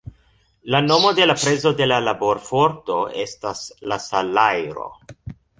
La nomo de la prezo de la laborforto estas la salajro.